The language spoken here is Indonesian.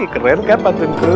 keren kan pantunku